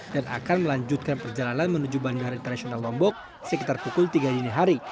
dan akan melanjutkan perjalanan menuju bandara internasional lombok sekitar pukul tiga dini hari